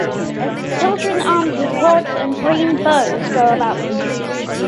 Children armed wtih rods and green boughs go about the streets.